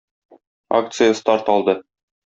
Акция старт алды